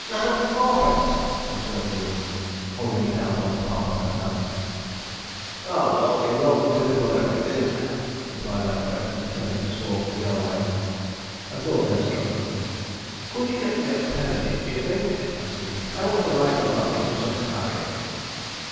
'It's nabbut fourpence,' observed the woman, holding it out on the palm of her hand. 'Ah, well, you're welcome to it whatever it is,' replied our friend, turning his horse to go away. A thought then struck him. 'Could you get me a pen and ink, think you?' asked he; 'I want to write a line to Sir Harry.'